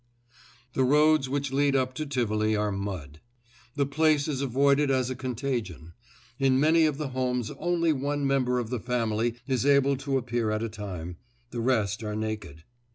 The roads which lead up to Tivoli are mud. The place is avoided as a contagion. In many of the homes only one member of the family is able to appear at a time—the rest are naked.